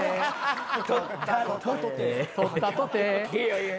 取ったとて。